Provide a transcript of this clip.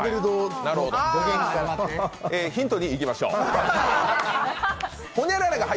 ヒント２、いきましょう。